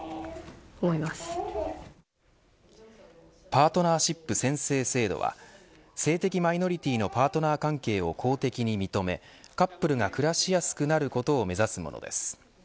パートナーシップ宣誓制度は性的マイノリティーのパートナー関係を公的に認めカップルが暮らしやすくなることを目指すものです。